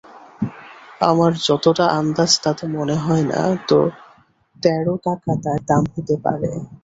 আমার যতটা আন্দাজ তাতে মনে হয় না তো তেরো টাকা তার দাম হতে পারে।